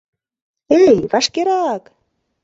Эй, вашкерак!